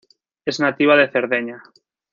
Es nativa de Cerdeña.